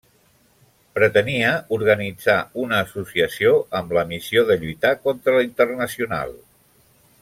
Pretenia, organitzar una associació amb la missió de lluitar contra la Internacional.